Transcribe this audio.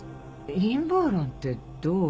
陰謀論ってどういう？